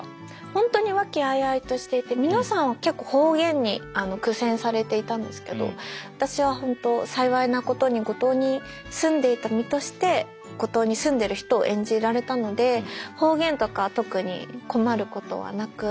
ホントに和気あいあいとしていて皆さん結構方言に苦戦されていたんですけど私はホント幸いなことに五島に住んでいた身として五島に住んでる人を演じられたので方言とか特に困ることはなく。